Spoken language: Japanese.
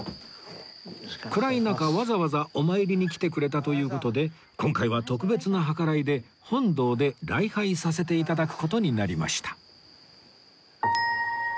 暗い中わざわざお参りに来てくれたという事で今回は特別な計らいで本堂で礼拝させて頂く事になりました